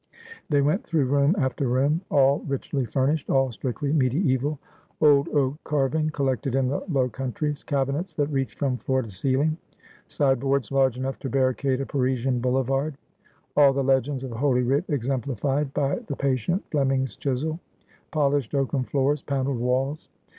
They went through room after room — all richly furnished, all strictly mediaeval : old oak carving collected in the Low Countries ; cabinets that reached from floor to ceiling ; side boards large enough to barricade a Parisian boulevard ; all the legends of Holy Writ exemplified by the patient Fleming's chisel ; polished oaken floors ; panelled walls.